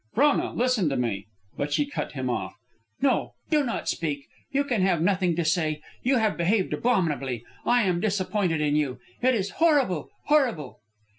"Frona! Listen to me " But she cut him off. "No. Do not speak. You can have nothing to say. You have behaved abominably. I am disappointed in you. It is horrible! horrible!"